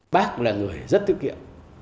bác là người rất tiết kiệm